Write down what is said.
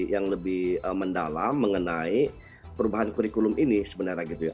yang lebih mendalam mengenai perubahan kurikulum ini sebenarnya gitu ya